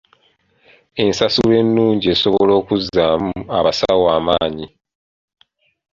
Ensasula ennungi esobola okuzzaamu abasawo amaanyi .